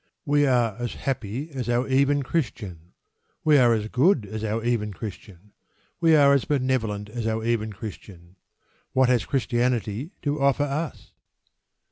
We are as happy as our even Christian; we are as good as our even Christian; we are as benevolent as our even Christian: what has Christianity to offer us?